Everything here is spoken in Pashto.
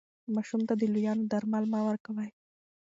ماشوم ته د لویانو درمل مه ورکوئ.